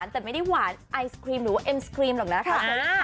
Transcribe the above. แต่ไม่ได้หวานไอศครีมหรือว่าเอ็มสครีมหรอกนะคะ